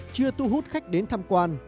chưa thu hút khách đến thăm quan